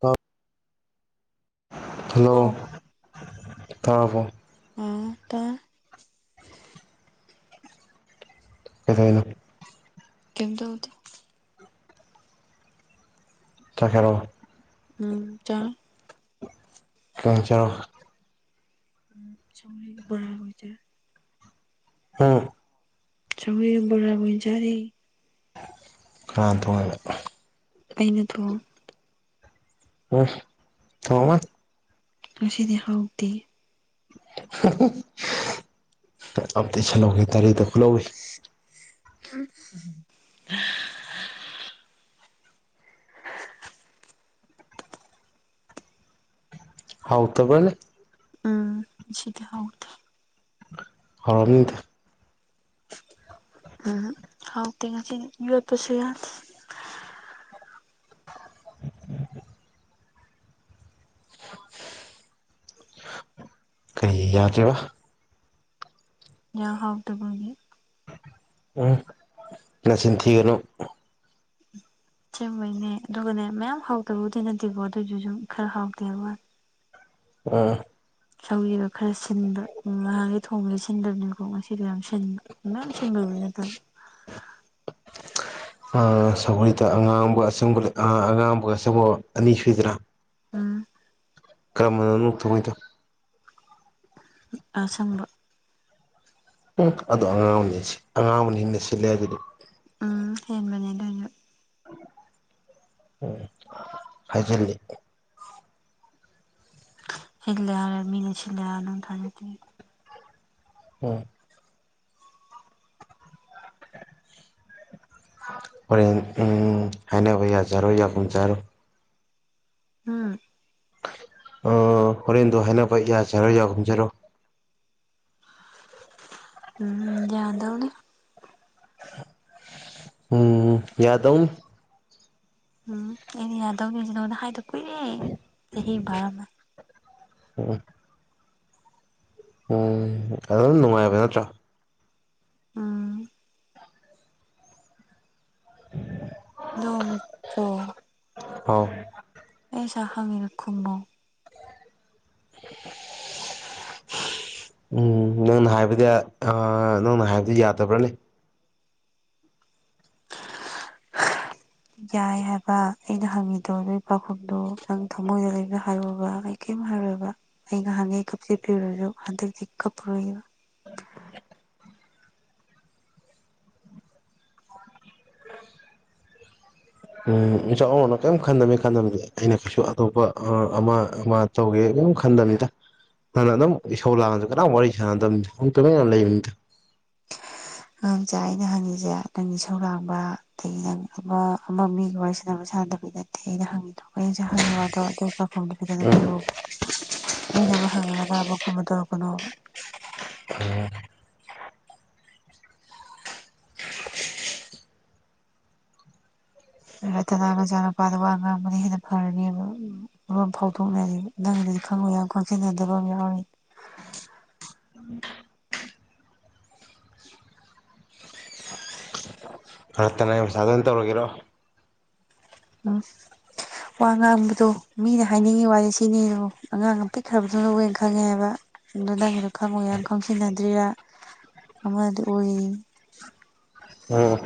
ꯇ ꯍꯜꯂꯣ ꯑꯣ ꯇꯔꯕꯣ ꯑꯗ ꯐꯗꯗ [unintelligible] ꯀꯩꯝ ꯇꯎꯗ ꯆ ꯈꯔꯣ ꯎꯝꯇ ꯀꯥꯡ ꯆꯥꯔꯎ ꯎꯝ ꯁꯧꯔꯤ ꯃꯔꯁꯦ [unintelligible] ꯑꯥ ꯆꯅꯄꯥꯕꯨꯖꯔꯦ ꯀꯔ ꯇꯣꯡꯉꯕ ꯑꯩꯅꯗ ꯑ ꯊꯃ ꯑꯁꯤꯦꯗꯥꯎ ꯑꯣꯕꯗꯤ ꯑꯗꯤ ꯆꯂꯧꯒꯦ ꯇꯔꯦꯗꯨ ꯈꯂꯧꯤ [unintelligible] ꯍꯥꯎ ꯇꯕ ꯎꯝ ꯁꯤꯗꯤ ꯍꯥꯎꯗꯦ ꯍꯔꯝꯗ ꯎꯝ ꯍꯥꯎ ꯊ ꯉꯁꯤ ꯌ ꯄꯁꯨ ꯌꯥꯗꯦ [unintelligible] ꯀꯩ ꯌꯥꯗꯔꯤꯕ ꯌꯥ ꯍꯥꯎꯗꯕꯦ ꯅ ꯆꯤꯟꯊꯤꯒꯅꯨ ꯆꯤꯡꯕꯩꯅꯦ ꯑꯗꯨꯒꯅꯦ ꯃꯌꯥꯝ ꯍꯥꯎꯗꯕꯕꯨꯗꯤ ꯅꯠꯇꯦꯕꯣ ꯑꯗꯨꯑꯣꯁꯨ ꯁꯨꯝ ꯈꯔ ꯍꯥꯎꯗꯦꯕ ꯑ ꯁꯧꯔ ꯈꯔ ꯁꯤꯟꯕ ꯎ ꯅꯍꯥꯡꯒꯤ ꯊꯣꯡꯕꯦ ꯁꯤꯟꯗꯕꯅꯤꯅꯀꯣ ꯉꯁꯤꯒ ꯌꯥꯝ ꯁꯤꯟꯕ ꯅ ꯁꯟꯗꯔꯕꯅꯦꯠꯇ [unintelligible] ꯑ ꯁꯒꯣꯣꯏꯗ ꯑꯉꯥꯡꯒ ꯑꯁꯪꯕ ꯑꯉꯥꯡꯕꯒ ꯑꯁꯪꯕ ꯑꯅꯤ ꯁꯨꯏꯗ꯭ꯔꯥ ꯎꯝ ꯀꯝꯕꯅꯅꯨꯡ ꯊꯣꯡꯉꯩꯗ ꯑꯁꯪꯕ ꯎꯒꯨ ꯑꯗꯨ ꯑꯉꯥꯑꯣꯕꯅꯦ ꯑꯉꯥꯑꯣꯕꯅꯥ꫰ꯁꯤꯠꯂꯦ ꯍꯥꯏꯗꯨꯗꯤ ꯎꯟ ꯍꯦꯟꯕꯅꯦ ꯑꯗꯨꯁꯨ ꯎꯟ ꯍꯥꯏꯖꯜꯂꯤ ꯍꯂ ꯃꯤꯁꯤꯦ ꯑꯅ ꯊꯖꯗꯤ [unintelligible] ꯎꯟ [inaudible] ꯍꯣꯔꯦꯟ ꯎꯝ ꯍꯥꯏꯅꯕ ꯌꯥꯁꯦ ꯍꯨꯕꯔꯣ ꯌꯥꯀꯨꯃꯦꯁ ꯍꯨꯟꯔꯣ ꯎꯟ ꯎꯓꯥ ꯍꯣꯔꯦꯟꯗꯣ ꯍꯥꯏꯅꯕ ꯌꯥꯁꯦꯖ ꯍꯨꯟꯔꯣ ꯌꯥꯒꯨꯃꯦꯁ ꯍꯥꯏꯕꯔ꯭ꯤ ꯎꯃꯝ ꯌꯥꯗꯨꯅꯦ ꯎꯃꯝ ꯌꯥꯗꯧꯅꯦ ꯎꯝ ꯑꯩꯅ ꯌꯥꯗꯧꯅꯤ ꯁꯤ ꯅꯒ ꯑꯣꯟꯗ ꯍꯥꯏꯗꯥ ꯀꯨꯏꯔꯦ ꯆꯥꯖꯤ ꯑꯃꯥ ꯐꯥꯔꯝ ꯑꯅꯤ ꯎꯝ [inaudible] ꯎꯝ ꯑꯗꯨ ꯅꯨꯡꯉꯥꯏꯕ ꯅꯠꯇ꯭ꯔꯥ ꯎꯃꯝ ꯣꯃꯤꯣ [inaudible] ꯑꯑꯣꯏ ꯀꯩꯁꯥ ꯍꯟꯒꯦꯅꯣ ꯈꯨꯝꯃꯣ [inaudible] ꯏꯝꯝ ꯅꯪꯅ ꯍꯨꯕꯗꯥ ꯏꯚ ꯍꯥꯏꯕꯗ ꯌꯟꯔꯕꯣꯅꯦ [inaudible] ꯌꯥꯏ ꯍꯨꯕꯥ ꯑꯩꯅꯥ ꯖꯅꯒꯦꯗꯣ ꯉꯥꯄꯣꯈꯨꯝꯗꯣ ꯅꯡ ꯊꯃꯣꯌꯗ ꯂꯩꯕꯗꯣ ꯍꯨꯔꯀꯣꯕꯥ ꯑꯩꯀꯩꯝ ꯍꯨ ꯏꯕ ꯑꯩ ꯉꯍꯥꯟꯉꯩ ꯀꯞꯆꯦꯠꯄꯤꯑꯣꯏꯔꯁꯨ ꯍꯟꯗꯛꯇꯤ ꯀꯞꯄꯔꯣꯏꯕ [inaudible] ꯎꯝ ꯏꯆꯥꯣꯟꯅ ꯀꯩꯔꯤꯝ ꯈꯟꯗꯃꯤ ꯈꯟꯗꯕꯗ ꯑꯩꯅ ꯀꯩꯁꯨ ꯑꯇꯣꯞꯄ ꯑꯃ ꯑꯃ ꯇꯧꯒꯦ ꯀꯩꯝ ꯈꯟꯗꯥ ꯕꯅꯦ ꯗ ꯅꯪꯅ ꯑꯗꯨꯝ ꯏꯁꯧ ꯂꯥꯛꯑꯁꯨ ꯀꯅꯥꯝ ꯋꯥꯔꯤ ꯁꯥꯟꯅꯗꯝꯅꯦ ꯑꯗꯨꯝ ꯂꯩꯕꯅꯤꯗ ꯑꯉꯥꯡꯁꯦ ꯑꯩꯅ ꯍꯪꯉꯤꯁꯦ ꯅꯪꯅ ꯏꯁꯧꯔꯥꯡꯕ ꯑꯗꯒꯤ ꯅꯪ ꯑꯃ ꯑꯃ ꯃꯤꯒ ꯋꯥꯔꯤ ꯁꯥꯟꯅꯕ ꯁꯥꯟꯗ ꯅꯠꯇꯦ ꯑꯩꯅ ꯍꯪꯉꯤꯗꯣ ꯑꯩꯁꯥꯏ ꯍꯪꯉꯤꯕ ꯋꯥꯗꯣ ꯄꯈꯨꯝ ꯐꯖꯅ ꯄꯤꯔꯛꯑꯣꯕ ꯑꯩꯅ ꯑꯃ ꯍꯪꯉꯛꯑꯒꯥ ꯑꯃ ꯀꯨꯝꯃꯗꯣ ꯇꯧꯔꯛꯀꯅꯣꯕ ꯔꯇꯅꯥ ꯃꯆꯥꯅꯨꯄꯥꯗ ꯋꯥ ꯉꯥꯡꯕꯅ ꯍꯦꯟꯅ ꯐꯔꯅꯦꯕ ꯂꯣꯟ ꯐꯥꯎꯊꯣꯛꯅꯗꯦ ꯅꯪꯒꯤ ꯗꯤ ꯈꯪꯉꯨ ꯌꯥꯝ ꯀꯣꯟꯁꯤꯟꯅꯗꯕ ꯑꯃ ꯌꯥꯎꯔꯤ [inaudible] ꯔꯇꯅꯥꯏ ꯃꯆꯗ ꯑꯗꯨꯝ ꯇꯧꯔꯒꯤꯔꯣ ꯎꯝ ꯋꯥ ꯉꯥꯡꯕꯗꯣ ꯃꯤꯅ ꯍꯥꯏꯅꯤꯡꯉꯤ ꯋꯥꯁꯦ ꯁꯤꯅꯤꯣ ꯑꯉꯥꯡ ꯑꯃ ꯄꯤꯛꯈ꯭ꯔꯕꯗꯨ ꯂꯧꯋꯦꯅ ꯈꯪꯉꯦꯕ ꯑꯗꯨ ꯈꯪꯉꯣꯏꯒ ꯈꯪꯁꯤꯟꯅꯗ꯭ꯔꯤꯔꯥ ꯑ ꯃꯥ ꯗꯨ ꯑꯣꯏ ꯎꯝ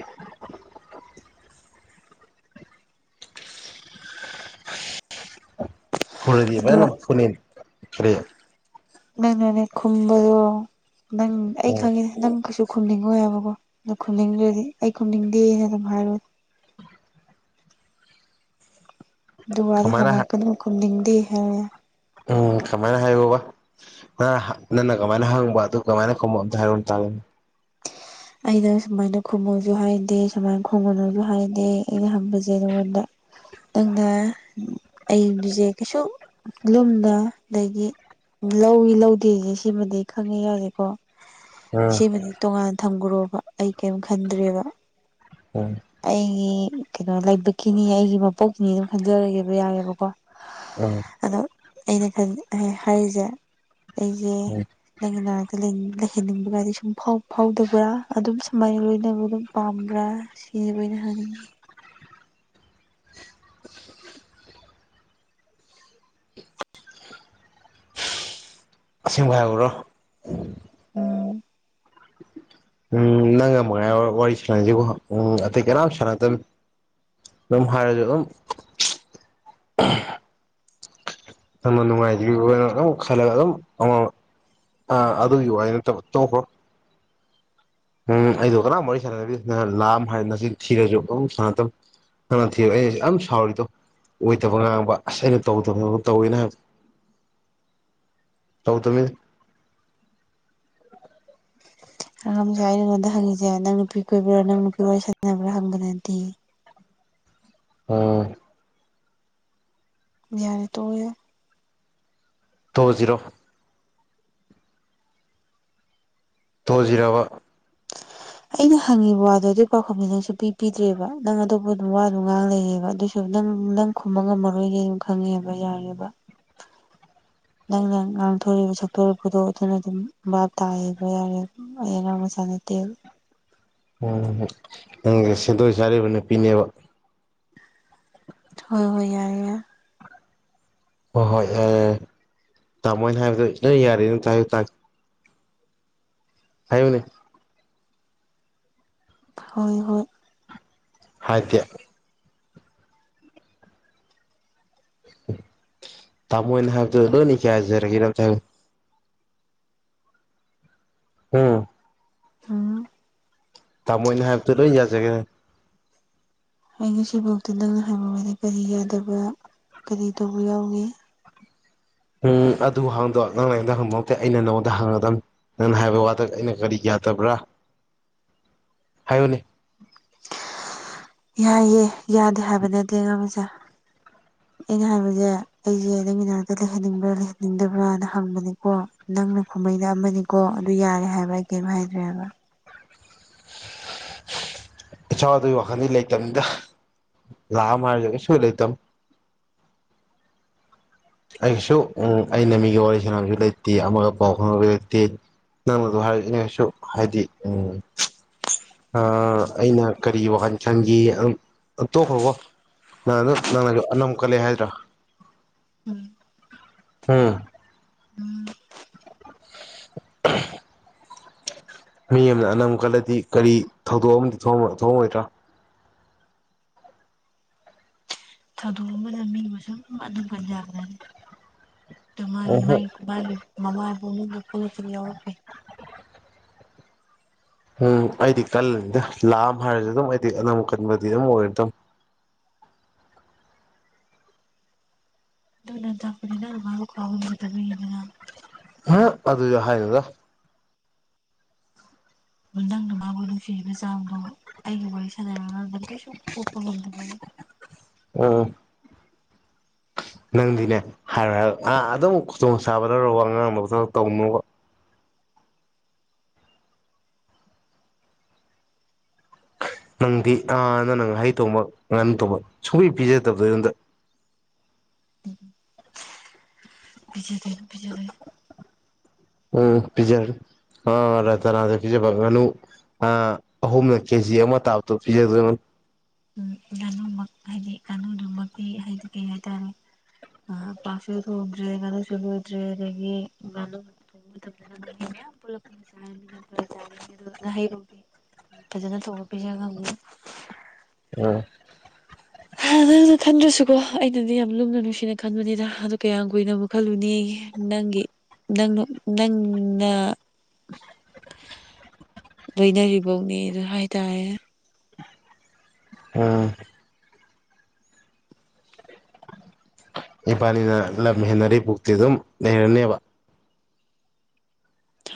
ꯐꯨꯔꯗꯤ ꯒꯥꯖꯅꯥ ꯑꯗꯣ ꯐꯨꯅꯤ ꯅꯡ ꯅꯦ ꯈꯨꯝꯕꯗꯣ ꯅꯪ ꯑꯩ ꯎꯝ ꯈꯪꯉꯦ ꯅꯪ ꯀꯩꯁꯨ ꯈꯨꯝꯅꯤꯡꯉꯣꯏ ꯍꯥꯏꯕꯀꯣ ꯑꯗꯣ ꯈꯨꯝꯅꯤꯡꯗ꯭ꯔꯗꯤ ꯑꯩ ꯈꯨꯝꯅꯤꯡꯗꯦ ꯍꯥꯌꯅꯥ ꯑꯗꯨꯝ ꯍꯨꯔꯣ ꯍꯥꯏꯔꯣ ꯑꯗꯣ ꯋꯇꯣꯗꯣ ꯀꯃꯥꯏꯅ ꯍꯪꯉꯛꯀꯅꯣ ꯈꯨꯝꯅꯤꯪꯇꯦ ꯍꯨꯔꯤ ꯌꯥꯔꯦ ꯎꯟ ꯀꯃꯥꯏꯅ ꯍꯥꯏꯌꯨꯕ ꯅꯪꯟꯅ ꯀꯃꯥꯏꯅ ꯍꯪꯕ ꯑꯗꯨ ꯀꯃꯥꯏꯅ ꯈꯪꯕ ꯑꯝꯇ ꯍꯥꯏꯔꯨꯥꯔꯦ ꯑꯩꯅ ꯁꯨꯃꯥꯏꯅ ꯈꯨꯝꯃꯁꯨ ꯍꯥꯏꯗꯦ ꯁꯨꯃꯥꯏꯅ ꯈꯨꯝꯒꯅꯨ ꯁꯨ ꯍꯥꯏꯗꯦ ꯑꯩꯅ ꯍꯪꯕꯁꯦ ꯉꯣꯟꯗ ꯅꯪꯅ ꯑꯩꯒꯤꯁꯦ ꯀꯩꯁꯨ ꯂꯨꯝꯗ ꯂꯩꯒꯤ ꯂꯧꯏ ꯂꯧꯗꯦꯁꯦ ꯁꯤꯃꯗꯤ ꯈꯪꯉꯦ ꯌꯥꯎꯁꯦꯀꯣ ꯎꯝ ꯁꯤꯃꯗꯤ ꯇꯣꯉꯥꯟꯅ ꯊꯝꯈ꯭ꯔꯣꯕ ꯑꯩ ꯀꯦꯝ ꯈꯟꯗ꯭ꯔꯦꯕ ꯎꯝ ꯑꯩꯒꯤ ꯀꯩꯅꯣ ꯂꯥꯏꯕꯛꯀꯤꯅꯤ ꯑꯩꯒꯤ ꯃꯄꯣꯛꯀꯤꯅꯤ ꯑꯗꯨꯝ ꯈꯟꯖꯔꯒꯦꯕ ꯌꯥꯑꯦꯕꯀꯣ ꯎꯝ ꯑꯗꯣ ꯑꯩꯅ ꯈꯟ ꯍꯥꯏꯔꯤꯁꯦ ꯑꯩꯁꯦ ꯎꯝ ꯅꯪꯒꯤ ꯅꯥꯛꯇ ꯂꯩꯍꯟꯅꯤꯡꯕꯒꯗꯤ ꯁꯨꯝ ꯐꯥꯎꯗꯕ꯭ꯔꯥ ꯑꯗꯨꯝ ꯁꯨꯃꯥꯏꯅ ꯂꯣꯏꯅꯕ ꯑꯗꯨꯝ ꯄꯥꯝꯕ ꯕ꯭ꯔꯥ ꯁꯤꯕꯅ ꯍꯥꯟꯅꯤ ꯑꯁꯦꯡꯕꯩꯍꯥꯏꯕ꯭ꯔꯣ ꯑꯥ ꯅꯪ ꯉꯃꯉꯥꯏ ꯋꯥꯔꯤ ꯁꯥꯟꯅꯁꯤꯀꯣ ꯎꯝ ꯑꯇꯩ ꯀꯅꯥ ꯁꯥꯟꯅꯗ ꯗꯨꯝ ꯍꯥꯏꯔꯖ ꯑ ꯅꯪꯅ ꯅꯨꯉꯥꯏꯕ‌ꯣꯏꯔ ꯗꯨꯝ ꯈꯜꯂꯒ ꯈꯨꯝ ꯑ ꯑ ꯑꯗꯨꯏ ꯋꯥꯔꯤꯗꯨ ꯇ ꯇ‌ꯣꯛꯈ‌ꯣ ꯎꯝ ꯑꯩꯗꯣ ꯀꯔ ꯋꯥꯔꯤꯔꯤ ꯁꯥꯟꯅꯗ‌ꯦ ꯅꯪ ꯂꯥꯝ ꯍꯥꯏꯔ ꯅꯆꯤꯜ ꯊꯤꯔꯁꯨ ꯁꯅ ꯅꯅ ꯊꯤ ꯑꯩꯅꯁ ꯌꯥꯝ ꯁꯥꯎꯔꯤꯗꯣ ꯑꯣꯏꯗꯕ ꯉꯥꯡꯕ ꯑꯁ ꯑꯩꯅ ꯇꯧꯗꯕ ꯇꯧꯋꯦꯅ ꯍꯥꯏꯕ ꯇꯧꯈꯃꯤ [unintelligible] ꯑꯪꯉꯝꯁꯦ ꯅꯪꯉ‌ꯣꯟꯗ ꯍꯪꯏꯁ‌ꯦ ꯅꯪ ꯅꯨꯄꯤ ꯀꯣꯏꯕ꯭ꯔꯥ ꯅꯪ ꯅꯨꯄꯤ ꯋꯥꯔꯤ ꯁꯥꯟꯅꯕ꯭ꯔꯥ ꯍꯪꯕꯗ ꯅꯠꯇꯦ ꯑꯝ ꯌꯥꯔꯦ ꯇ‌ꯣꯛ ꯑ ꯌ ꯇꯣꯛꯑꯖꯤꯔꯣ ꯇ‌ꯣꯛꯑꯖꯤꯔ‌ꯣꯕ ꯑꯩꯅ ꯍꯪꯉꯤꯕ ꯋꯥꯗꯣ ꯑꯗꯨꯒꯤ ꯄꯥꯎꯈꯨꯝꯗꯤ ꯅꯪꯁꯨ ꯄꯤ ꯄꯤꯗ꯭ꯔꯦꯕ ꯅꯪ ꯑꯇꯣꯞꯄ ꯑꯗꯨꯝ ꯋꯥꯗꯣ ꯉꯥꯡ ꯂꯩꯌꯦꯦꯕ ꯑꯗꯨꯏꯁꯨꯝ ꯅꯪ ꯅꯪ ꯈꯨꯝꯕ ꯉꯝꯃꯔꯣꯏꯅꯦ ꯑꯗꯨꯝ ꯈꯪꯉꯦꯕ ꯌꯥꯔꯦꯕ [unintelligible] ꯅꯪꯅ ꯉꯥꯡꯊꯣꯔꯕ ꯁꯛꯇꯣꯔꯛꯄꯗꯣ ꯑꯗꯨꯅ ꯑꯗꯨꯝ ꯚꯥꯞ ꯇꯥꯕ ꯌꯥꯔꯦ ꯑꯩ ꯑꯉꯥꯡ ꯃꯆꯥ ꯅꯇ‌ꯦꯕ ꯎꯝ ꯅꯪꯗꯤ ꯁꯦꯟꯗꯣꯏ ꯁꯥꯔꯤꯕ ꯅꯨꯄꯤꯅꯦꯕ ꯍꯣꯏ ꯍꯣꯏ ꯌꯥꯏ ꯌꯥ ꯍꯣꯏ ꯍꯣꯏ ꯑꯦ ꯇꯥꯃꯣꯅ ꯍꯥꯏꯕꯗꯣꯪ ꯑꯩ ꯌꯥꯔ‌ꯦ ꯑꯝꯇ ꯍꯥꯏꯌꯨ ꯇꯥꯒ‌ꯦ ꯍꯥꯏꯌꯨꯅꯦ ꯍꯣꯏ ꯍꯣꯏ ꯍꯥꯏꯗ‌ꯦ ꯇꯥꯃꯣꯏꯅ ꯍꯥꯏꯕꯗ ꯂ‌ꯣꯏ ꯌꯥꯖꯔꯒ‌ꯦ ꯑꯝꯇ ꯍꯥꯏꯎ ꯎꯝ ꯍꯨꯝ ꯇꯥꯃꯣꯏꯅꯍꯥꯏꯇ ꯂ‌ꯣꯏ ꯌꯥꯁꯦꯒꯦ ꯍꯥꯏ ꯑꯩ ꯉꯁꯤꯐꯥꯎꯗ ꯅꯪꯅ ꯍꯥꯏꯕꯗ ꯀꯔꯤ ꯌꯥꯗꯕ ꯀꯔꯤ ꯇꯧꯕ ꯌꯥꯎꯏ ꯎꯝ ꯑꯗꯨ ꯍꯥꯡꯗꯣ ꯅꯪ ꯅꯉꯣꯟꯗ ꯍꯪꯕꯃꯛꯇꯦ ꯑꯩꯅ ꯅꯉꯣꯟꯗ ꯍꯥꯡꯒꯗꯝꯕꯅꯤ ꯅꯪꯅ ꯍꯥꯏꯕ ꯋꯥꯗ ꯑꯩꯅ ꯀꯔꯤ ꯌꯥꯗ ꯌꯥꯠꯇꯕ꯭ꯔꯥ ꯍꯥꯏꯌꯨꯅꯦ ꯌꯥꯏꯌꯦ ꯌꯥꯗꯦ ꯍꯥꯏꯕ ꯅꯠꯇꯦꯉꯥꯃꯤꯁꯦ [unintelligible] [inaudible] ꯑꯩꯅ ꯍꯥꯏꯕꯁꯦ ꯑꯩꯁꯦ ꯅꯪꯒꯤ ꯅꯥꯛꯇ ꯂꯩꯍꯟꯅꯤꯡꯕ꯭ꯔꯥ ꯂꯩꯍꯟꯅꯤꯡꯗꯕ꯭ꯔꯥꯅ ꯍꯪꯕꯅꯤꯀꯣ ꯅꯪꯅ ꯈꯨꯝ ꯣꯏꯅ ꯑꯃꯅꯤꯀꯣ ꯑꯗꯨ ꯌꯥꯔꯦ ꯍꯥꯏꯕ ꯑꯩ ꯀꯩꯝꯥ ꯍꯥꯏꯗ꯭ꯔꯦꯕ ꯏꯆꯥꯎꯗꯒꯤ ꯋꯥꯈꯜꯗꯤ ꯂꯩꯇꯅꯤꯗ ꯂ ꯃꯔꯖꯒꯦꯁꯨꯣꯏ ꯂꯩꯇꯝ ꯑꯩꯁꯨ ꯎ ꯑꯩꯅ ꯃꯤꯒꯤ ꯋꯥꯔꯤ ꯁꯥꯟꯅꯕꯁꯨ ꯂꯩꯇꯦ ꯑꯃꯒ ꯄꯥꯎ ꯐꯥꯎꯟ ꯂꯩꯇꯦ ꯅꯪꯅꯗꯣ ꯍꯥꯏꯔꯛꯅꯦꯁꯨ ꯍꯥꯏꯗꯤ ꯎꯝ ꯑ ꯑꯩꯅ ꯀꯔꯤ ꯋꯥꯈꯟ ꯈꯥꯟꯒꯤ ꯇꯣꯛꯈ꯭ꯔꯣꯕꯣ ꯅꯪ ꯅꯪꯅꯁꯨ ꯑꯅꯝ ꯀꯂꯨ ꯍꯥꯏꯗ꯭ꯔꯥ ꯎꯝ ꯎꯝ ꯎꯝ [unintelligible] ꯃꯤ ꯑꯃꯅ ꯑꯅꯝ ꯀꯜꯂꯗꯤ ꯀꯔꯤ ꯊꯧꯗꯣꯛ ꯑꯃꯗꯤ ꯊꯣꯛꯑꯝꯃ‌ꯣꯏꯗ꯭ꯔꯥ ꯊꯥꯗꯣꯛꯑ ꯑꯃꯗ ꯃꯤ ꯃ ꯁꯨꯝ ꯑꯗꯨꯝ ꯀꯟꯖꯈ꯭ꯔꯅꯤ ꯑ ꯃꯥꯒꯤ ꯑꯣꯍꯣ ꯃꯥꯒꯤ ꯃꯥꯒꯤ ꯃꯕꯥꯕꯨꯗ ꯄꯨꯂꯁꯤ ꯌꯥꯎꯔꯛꯄꯦ ꯎꯝ ꯑꯩꯗꯤ ꯀꯜꯂꯅꯤꯗ ꯂꯥꯝ ꯍꯥꯏꯔꯁꯨ ꯑꯗꯨꯝ ꯑꯩꯗꯤ ꯑꯅꯝ ꯀꯟꯕꯗꯤ ꯑꯗꯨꯝ ꯑꯣꯏꯔꯗꯕ [unintelligible] ꯏꯣꯟꯅꯠꯇ ꯑꯅ ꯃꯥ ꯀꯕꯗ ꯇꯧꯅꯗ ꯍꯥ ꯑꯗꯨ ꯑꯗꯨ ꯍꯥꯏꯗ ꯑꯗꯨ ꯅꯪꯅ ꯃꯥꯕꯨ ꯅꯨꯡꯁꯤꯕ ꯆꯥꯡꯗꯣ ꯑꯩꯒꯤ ꯋꯥꯔꯤ ꯁꯅꯔ ꯉꯗ ꯀꯩꯁꯨ ꯀꯣꯄꯣꯂꯝꯗꯕ ꯎꯝ ꯅꯪꯗꯤꯅꯦ ꯍꯥꯏꯔ ꯑꯥ ꯑꯗꯨꯝ ꯈꯨꯗꯣꯡ ꯆꯕꯗꯔꯣ ꯑꯉꯥꯡꯕꯛꯇ ꯇꯧꯅꯨꯕ ꯅꯪꯗꯤ ꯑꯅ ꯅꯪꯍꯩ ꯇꯣꯡꯃꯛ ꯉꯍꯥꯡ ꯇꯧꯕ ꯁꯨꯡꯛ ꯄꯤꯖꯛꯇꯕꯗꯣ ꯑꯩ ꯅꯣꯝꯗ ꯎꯝ ꯄꯕꯤꯖꯦꯔꯤ ꯄꯕꯤꯖꯦꯔꯤ ꯎ ꯄꯤꯖꯔ ꯊꯅꯗ ꯄꯤꯖꯅ ꯑ ꯑꯍꯨꯝꯅ ꯀꯦꯖꯤ ꯑꯃ ꯇꯥꯕꯗ ꯄꯤꯖꯗ ꯎꯝ ꯉꯥꯅꯨꯃꯛ ꯍꯥꯏꯗꯤ ꯉꯥꯅꯨꯗꯨꯃꯛꯀꯤ ꯍꯥꯏꯗꯤ ꯀꯩ ꯍꯥꯏꯇꯥꯔꯦ ꯑ ꯄꯥꯁꯦ ꯊꯧꯛ꯭ꯔꯦꯒꯅ ꯁꯂꯗ꯭ꯔꯦ ꯂꯩꯒꯗꯒꯤ ꯉꯅ ꯃꯇꯝꯗ ꯃꯤ ꯃꯌꯥꯝ ꯄꯨ ꯄꯨ ꯆꯥꯔꯃꯤꯅ ꯐ ꯆꯥꯔꯁꯦ ꯑꯣ ꯉꯍꯩꯔꯥꯎꯒꯤ ꯏ ꯑꯗꯨ ꯇꯣꯄꯤ ꯎꯝ ꯅꯪꯅ ꯈꯟꯗ꯭ꯔꯁꯨꯀꯣ ꯑꯩꯅꯗꯤ ꯌꯥꯝ ꯂꯨꯝꯅ ꯅꯨꯡꯁꯤꯅ ꯈꯟꯕꯅꯤꯗ ꯑꯗꯨ ꯀꯌꯥꯝ ꯀꯨꯏꯅ ꯑꯃꯨꯛ ꯈꯜꯂꯨꯅꯤ ꯅꯪꯒꯤ ꯅꯪꯅ ꯅꯪꯅ [unintelligible] ꯂꯩꯅꯔꯤꯕꯧꯅꯦ ꯑꯗꯨ ꯍꯥꯏꯇꯥꯔꯦ ꯎꯝ ꯄꯥꯅꯤꯅ ꯂꯝ ꯍꯦꯟꯅꯔꯤ ꯄꯨꯛꯇ ꯑꯗꯨꯝ ꯂꯩꯔꯅꯦꯕ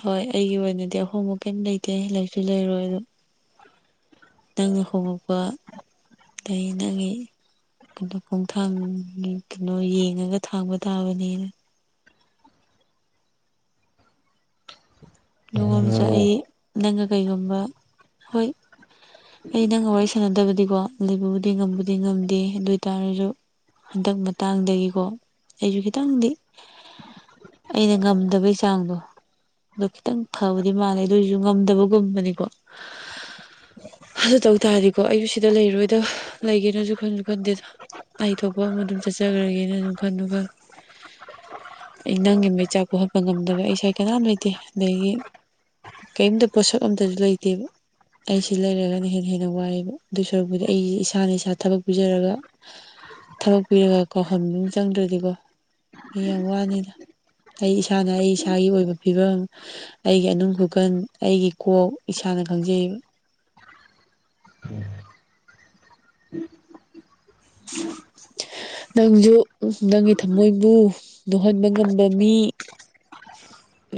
ꯍꯣꯏ ꯑꯩꯒꯤ ꯑꯣꯏꯅꯗꯤ ꯑꯍꯣꯡꯕ ꯀꯩꯝ ꯂꯩꯇꯦ ꯂꯔꯤꯛꯁꯨ ꯂꯩꯔꯣꯏ ꯑꯗꯣ ꯅꯪꯅ ꯍꯧꯕꯄ ꯑ ꯅꯪꯒꯤ ꯀꯩꯅꯣ ꯈꯣꯡꯊꯥꯡꯒꯤ ꯀꯩꯅꯣ ꯌꯦꯡꯉꯒ ꯊꯥꯡꯕ ꯇꯥꯕꯅꯤꯅ ꯅꯣꯡꯉꯝꯁ ꯎꯝ ꯑꯩ ꯅꯪꯒ ꯀꯩꯒꯨꯝꯕ ꯍꯣꯏ ꯑꯩ ꯅꯪꯒ ꯋꯥꯔꯤ ꯁꯥꯟꯅꯗꯕꯗꯤꯀꯣ ꯂꯩꯕꯕꯨꯗꯤ ꯉꯝꯕꯨꯗꯤ ꯉꯝꯗꯦ ꯑꯗꯨ ꯑꯣꯏꯇꯥꯔꯁꯨ ꯍꯟꯗꯛ ꯃꯇꯥꯡꯗꯒꯤꯀꯣ ꯑꯩꯁꯨ ꯈꯤꯇꯪꯗꯤ ꯑꯩꯅ ꯉꯝꯗꯕꯩ ꯆꯥꯡꯗꯣ ꯈꯤꯇꯪ ꯐꯕꯗꯤ ꯃꯥꯜꯂꯦ ꯑꯗꯨꯏꯁꯨ ꯉꯝꯗꯕꯒꯨꯝꯕꯅꯤꯀꯣ ꯑꯗꯨ ꯇꯧ ꯇꯥꯔꯗꯤꯀꯣ ꯑꯩꯁꯨ ꯁꯤꯗ ꯂꯩꯔꯣꯏꯗꯕ ꯂꯩꯒꯦꯅꯁꯨ ꯈꯟꯁꯨ ꯈꯟꯗꯦꯗ ꯂꯩꯊꯣꯛꯄ ꯑꯃ ꯑꯗꯨꯝ ꯆꯠꯆꯈ꯭ꯔꯒꯦꯅ ꯑꯗꯨꯝ ꯈꯜꯂꯨ ꯈ ꯑꯩ ꯅꯪꯒꯤ ꯃꯩ ꯆꯥꯛ ꯀꯣꯛꯍꯠꯄ ꯉꯝꯗꯕ ꯑꯩ ꯏꯁꯥꯏ ꯀꯅꯥꯝ ꯂꯩꯇꯦ ꯑꯗꯒꯤ ꯀꯔꯤꯝꯇ ꯄꯣꯠꯁꯛ ꯑꯝꯇꯁꯨ ꯂꯩꯇꯦꯕ ꯑꯩꯁꯤ ꯂꯩꯔꯒꯅ ꯍꯦꯟꯅ ꯍꯦꯟꯅ ꯋꯥꯏꯑꯕ ꯑꯗꯨꯏ ꯁꯔꯛꯄꯨꯗꯤ ꯑꯩꯁꯦ ꯏꯁꯥꯅ ꯏꯁꯥ ꯊꯕꯛ ꯄꯤꯖꯔꯒ ꯊꯕꯛ ꯄꯤꯔꯒ ꯀꯣ ꯆꯪꯗ꯭ꯔꯗꯤꯀꯣ ꯑꯩ ꯌꯥꯝ ꯋꯥꯅꯤꯗ ꯑꯩ ꯏꯁꯥꯅ ꯑꯩ ꯏꯁꯥꯒꯤ ꯑꯣꯏꯕ ꯐꯤꯕꯝ ꯑꯩꯒꯤ ꯑꯅꯅꯨꯡ ꯈꯨꯀꯟ ꯑꯩꯒꯤ ꯀꯣꯛ ꯏꯁꯥꯅ ꯈꯪꯖꯩꯕ ꯎꯝ ꯎꯝ ꯅꯪꯁꯨ ꯅꯪꯒꯤ ꯊꯃꯣꯏꯕꯨ ꯂꯣꯛꯍꯟꯕ ꯉꯝꯕ ꯃꯤ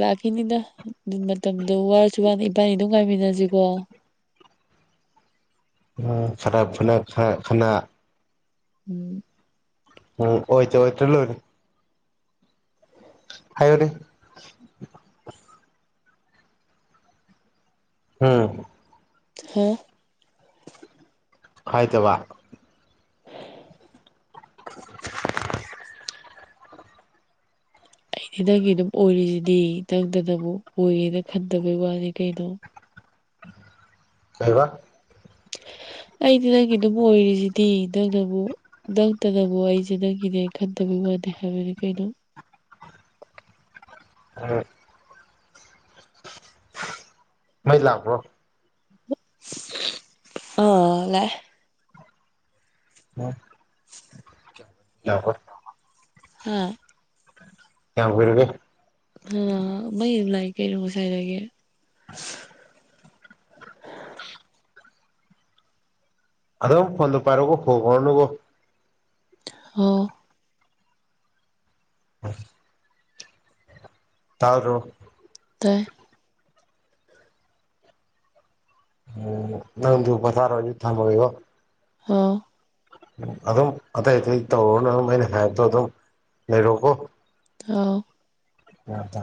ꯂꯥꯛꯈꯤꯅꯤꯗ ꯑꯗꯨ ꯃꯇꯝꯗꯣ ꯋꯥꯔꯁꯨ ꯋꯥꯅ ꯏꯕꯥꯅꯤ ꯑꯗꯨꯝ ꯉꯥꯏꯃꯤꯟꯅꯁꯤꯀꯣ ꯈꯔꯞꯅ ꯈꯅꯥ ꯎꯝ ꯎꯝ ꯍ ꯍꯇꯂꯔ ꯍꯥꯏꯔꯤ ꯎꯝ ꯍꯥꯝ ꯐꯥꯏꯗꯕ ꯑꯩꯗꯤ ꯅꯪꯒꯤ ꯑꯗꯨꯝ ꯑꯣꯏꯔꯤꯁꯤꯗꯤ ꯅꯪꯗꯅꯕꯨꯨꯛ ꯑꯣꯏꯌꯦꯦꯅ ꯈꯟꯗꯕꯩ ꯋꯥꯅꯤ ꯀꯩꯅꯣ ꯀꯥꯏꯕ ꯑꯩꯗꯤ ꯅꯪꯒꯤ ꯑꯗꯨꯝ ꯑꯣꯏꯔꯤꯁꯤꯗꯤ ꯅꯪꯅꯕꯨ ꯅꯪꯇꯅꯕꯨ ꯑꯩꯁꯦ ꯅꯪꯒꯤꯅꯦ ꯈꯟꯗꯕꯤ ꯋꯥꯗ ꯍꯥꯏꯕꯅꯤ ꯀꯩꯩꯅꯣ [unintelligible] ꯎꯝ ꯃꯩ ꯂꯥꯛꯕ꯭ꯔꯣ ꯑꯥ ꯂꯩꯦ ꯌꯥꯄꯣ ꯍꯥꯝ ꯌꯥꯝ ꯑꯣꯏꯔꯕꯣ ꯍꯥ ꯃ ꯂꯥꯏꯛ ꯀꯩꯁꯥꯏꯖꯒꯦ [unintelligible] ꯑ ꯐꯗ ꯄꯥꯔꯒꯣ ꯐ ꯐꯅꯨ ꯀꯣ ꯑꯣ ꯇꯥꯎ꯭ꯔꯣ ꯇ ꯎꯝ ꯅꯪꯗꯨ ꯄꯊꯥ ꯑꯣꯏꯖꯤ ꯊꯝꯕꯣ ꯑꯥ ꯑꯗꯨꯝ ꯑꯇꯩ ꯑꯇꯩ ꯇꯧꯔꯣꯅ ꯑꯗꯨꯝ ꯑꯩꯅ ꯍꯥꯏꯞꯠꯇꯣ ꯑꯗꯨꯝ ꯂꯩꯔꯣꯀꯣ ꯑ ꯑꯣꯗ